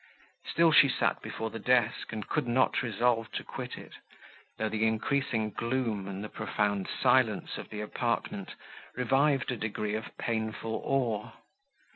Still she sat before the desk, and could not resolve to quit it, though the increasing gloom, and the profound silence of the apartment, revived a degree of painful awe.